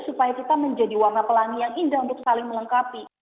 supaya kita menjadi warna pelangi yang indah untuk saling melengkapi